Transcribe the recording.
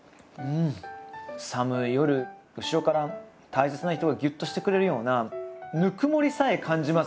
寒い夜後ろから大切な人がぎゅっとしてくれるようなぬくもりさえ感じます